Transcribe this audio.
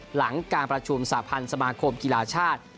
หลังการประชุมสาพันธ์สมาคมกีฬาชาติ